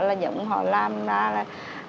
là giống như họ làm ra là